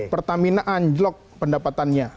pertamina anjlok pendapatannya